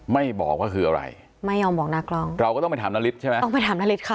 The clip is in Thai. ไม่บอกว่าคืออะไรไม่ยอมบอกนากล้องเราก็ต้องไปถามนาริสใช่ไหมต้องไปถามนาริสค่ะ